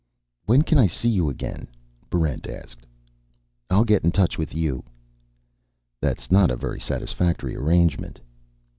"When can I see you again?" Barrent asked. "I'll get in touch with you." "That's not a very satisfactory arrangement."